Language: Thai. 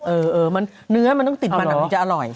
เออมันเนื้อมันต้องติดมันน่ะมันจะอร่อย